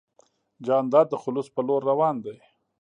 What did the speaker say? جانداد د خلوص په لور روان دی.